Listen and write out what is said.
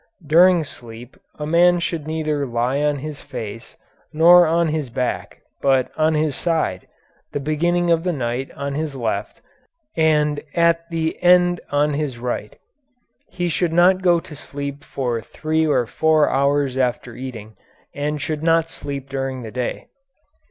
During sleep a man should lie neither on his face nor on his back but on his side, the beginning of the night on his left and at the end on his right. He should not go to sleep for three or four hours after eating and should not sleep during the day.